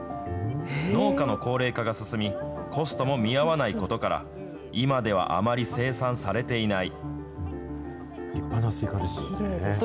農家の高齢化が進み、コストも見合わないことから、今ではあまり生産されていない。